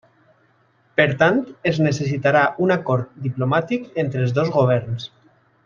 Per tant, es necessitarà un acord diplomàtic entre els dos governs.